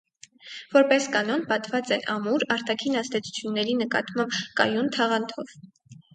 Որպես կանոն պատված են ամուր, արտաքին ազդեցությունների նկատմամբ կայուն թաղանթով։